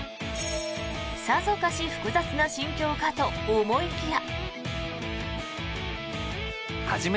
さぞかし複雑な心境かと思いきや。